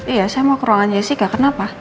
iya saya mau ke ruangan jessica kenapa